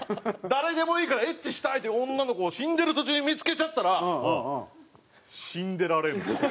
「誰でもいいからＨしたい」っていう女の子を死んでる途中に見付けちゃったら「死んでられん！！」と。